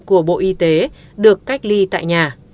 của bộ y tế được cách ly tại nhà